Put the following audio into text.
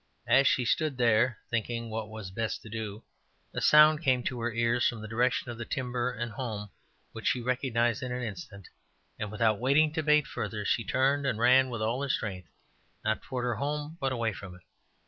As she stood there, thinking what it was best to do, a sound came to her ears from the direction of the timber and home, which she recognized in an instant, and without waiting to debate further, she turned and ran with all her strength, not toward her home, but away from it.